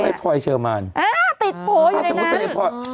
เจ๊พอยเชอร์มานอ่าติดโผอยู่ในนั้น